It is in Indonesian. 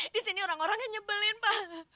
di sini orang orangnya nyebelin pak